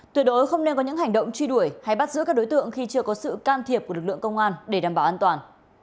tuyệt đối không nên có những hành động truy đuổi hay bắt giữ các đối tượng khi chưa có sự can thiệp của lực lượng công an để đảm bảo an toàn